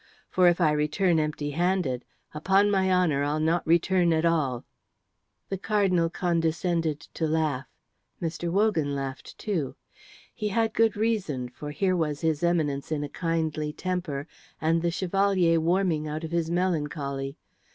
For if I return empty handed, upon my honour I'll not return at all." The Cardinal condescended to laugh. Mr. Wogan laughed too. He had good reason, for here was his Eminence in a kindly temper and the Chevalier warming out of his melancholy.